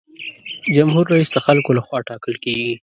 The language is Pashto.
جمهور رئیس د خلکو له خوا ټاکل کیږي.